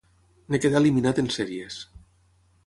En quedà eliminat en sèries.